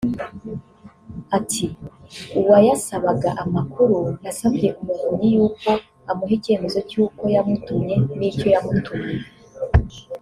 Ati "Uwayasabaga [amakuru] nasabye Umuvunyi y’uko amuha icyemezo cy’uko yamutumye n’icyo yamutumye